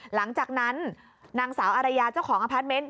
หลังจากนั้นนางสาวอารยาเจ้าของอพาร์ทเมนต์